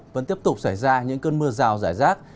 vẫn tiếp tục xảy ra những cơn mưa rào rải rác